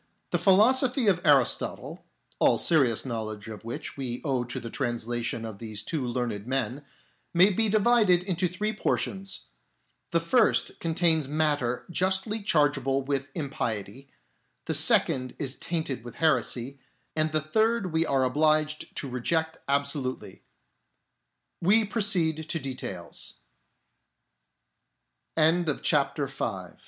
The philosophy of Aristotle, all serious knowledge of which we owe to the translation of these two learned men, may be divided into three portions : the first contains matter justly chargeable with impiety, the second is tainted with heresy, and the third we are obliged to reject absolu